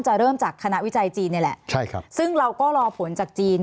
เริ่มจากคณะวิจัยจีนนี่แหละใช่ครับซึ่งเราก็รอผลจากจีน